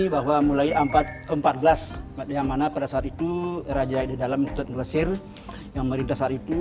bahwa mulai ke empat belas yang mana pada saat itu raja di dalam hutan glesir yang merintas hari itu